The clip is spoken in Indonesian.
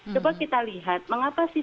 coba kita lihat mengapa sih